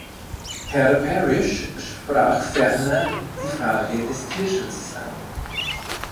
Herr Parish sprach ferner die Frage des Tierschutzes an.